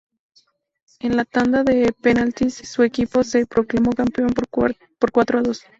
En la tanda de penaltis su equipo se proclamó campeón por cuatro a dos.